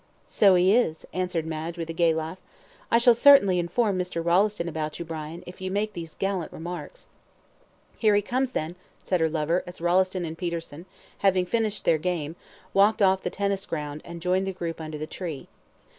"So he is," answered Madge, with a gay laugh. "I shall certainly inform Mr. Rolleston about you, Brian, if you make these gallant remarks." "Here he comes, then," said her lover, as Rolleston and Peterson, having finished their game, walked off the tennis ground, and joined the group under the tree.